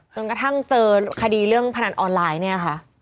จนกระทั่งเจอคดีเรื่องพนันออนไลน์เนี่ยค่ะ